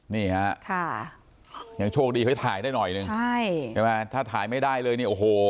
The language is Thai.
นี่ฮะค่ะยังโชคดีเขาถ่ายได้หน่อยหนึ่งใช่ใช่ไหมถ้าถ่ายไม่ได้เลยเนี่ยโอ้โห